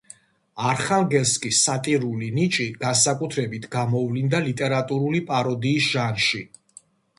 არხანგელსკის სატირული ნიჭი განსაკუთრებით გამოვლინდა ლიტერატურული პაროდიის ჟანრში.